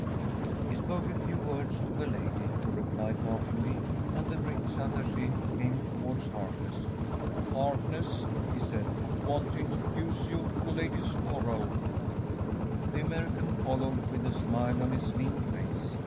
He spoke a few words to the lady, who replied laughingly, and the British Attache came towards Harkness. ‚ÄúHarkness,‚ÄĚ he said; “want to introduce you to Lady Storrel.‚ÄĚ The American followed with a smile on his lean face.